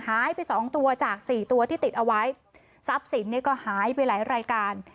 หายไปสองตัวจากสี่ตัวที่ติดเอาไว้ทรัพย์สินเนี่ยก็หายไปหลายรายการ